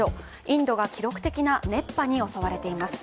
インドが記録的な熱波に襲われています。